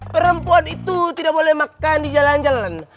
perempuan itu tidak boleh makan di jalan jalan